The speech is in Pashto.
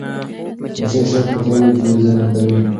مچۍ شات په ځالو کې زېرمه کوي.